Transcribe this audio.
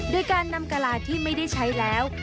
โดยการนำกะลาที่ไม่ได้ใช้แล้ว